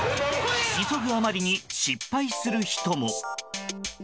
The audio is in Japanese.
急ぐあまりに失敗する人も。